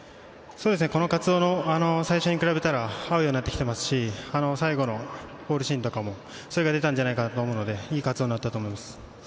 この活動の最初に比べたら合うようになっていますし、最後のゴールシーンとかも、それが出たんじゃないかと思うので、いい活動になったと思います。